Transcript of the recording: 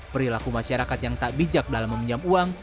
perilaku masyarakat yang tak bijak dalam meminjam uang